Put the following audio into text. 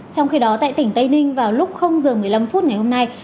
trong khi đó tại tỉnh tây ninh vào lúc giờ một mươi năm phút ngày hôm nay